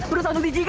berusaha untuk dijiga